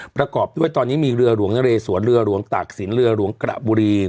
ประกอบด้วยตอนนี้มีเรือหลวงนเรสวนเรือหลวงตากศิลปเรือหลวงกระบุรี